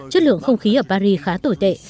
chất lượng không khí ở paris khá tồi tệ